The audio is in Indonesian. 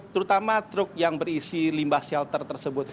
terutama truk yang berisi limbah shelter tersebut